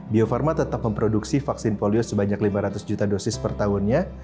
bio farma tetap memproduksi vaksin polio sebanyak lima ratus juta dosis per tahunnya